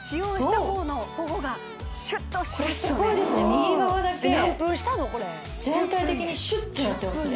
右側だけ全体的にシュッとなってますね